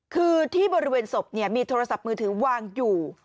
คือที่บริเวณศพมีโทรศัพท์มือถือวางอยู่